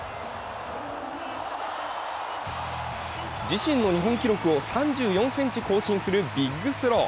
自身の日本記録を３４ｃｍ更新するビッグスロー。